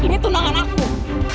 sini kita mulai mencoba